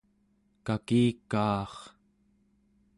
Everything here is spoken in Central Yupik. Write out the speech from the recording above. kakika'ar